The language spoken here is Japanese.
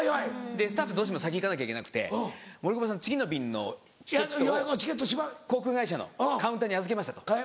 スタッフどうしても先行かなきゃいけなくて「森久保さん次の便のチケットを航空会社のカウンターに預けました。